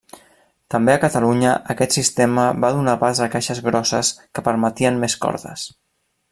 També a Catalunya aquest sistema va donar pas a caixes grosses que permetien més cordes.